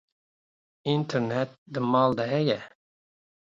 Înternêt di mal de heye ?